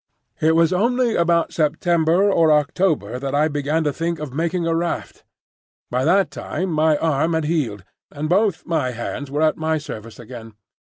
It was only about September or October that I began to think of making a raft. By that time my arm had healed, and both my hands were at my service again.